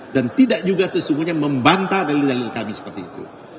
dan tidak juga sesungguhnya membantah dalil dalil kami seperti itu